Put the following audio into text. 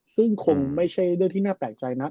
ซึ่งคงไม่ใช่เรื่องที่น่าแปลกใจนัก